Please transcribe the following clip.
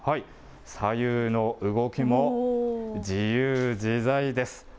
左右の動きも自由自在です。